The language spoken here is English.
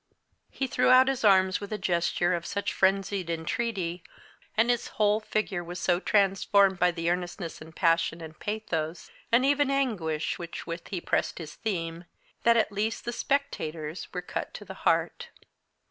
He threw out his arms with a gesture of such frenzied entreaty, and his whole figure was so transformed by the earnestness, and passion, and pathos, and even anguish with which he pressed his theme, that at least the spectators were cut to the heart.